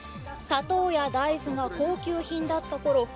砂糖や大豆が高級品だったころ